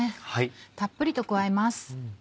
たっぷりと加えます。